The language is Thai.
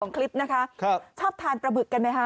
ของคลิปนะคะชอบทานประหมึกกันไหมคะ